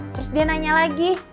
terus dia nanya lagi